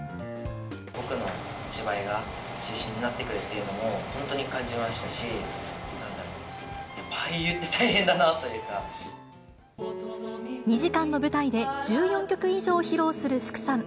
僕の芝居が中心になってくるというのも本当に感じましたし、２時間の舞台で１４曲以上披露する福さん。